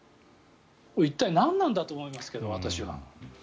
一体、何なんだと思いますけど私は。